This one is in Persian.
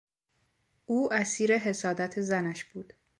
او اسیر حسادت زنش بود.